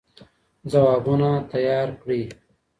ځوابونه تيار کړئ.